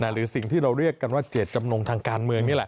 หรือสิ่งที่เราเรียกกันว่าเจตจำนงทางการเมืองนี่แหละ